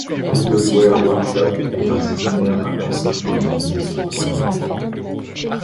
WindowsWear Workshop est un séminaire intensif organisé sur trois jours.